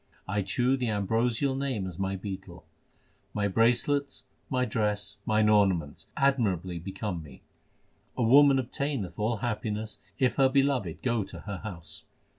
I chew the ambrosial Name as my betel ; My bracelets, my dress, mine ornaments admirably become me. A woman obtaineth all happiness if her Beloved go to her house.